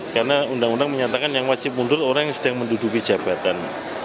karena undang undang menyatakan yang wajib mundur orang yang sedang menduduki jabatan